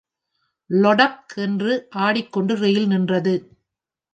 லொடக் என்று ஆடிக்கொண்டு ரயில் நின்றது.